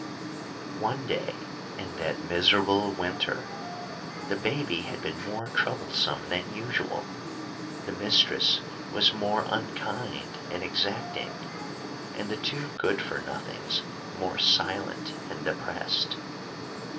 One day, in that miserable winter, the baby had been more troublesome than usual, the mistress more unkind and exacting, and the Two Good for Nothings more silent and depressed.